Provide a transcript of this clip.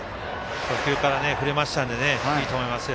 初球から振れましたのでいいと思いますよ。